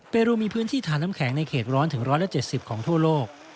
เปรูมีพื้นที่ทานน้ำแข็งในเขตร้อนถึง๑๗๐ของทั่วโลก